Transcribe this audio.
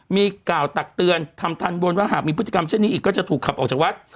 มีกล่าวตักเตือนทำทันบนว่าหากมีพฤติกรรมเช่นนี้อีกก็จะถูกขับออกจากวัด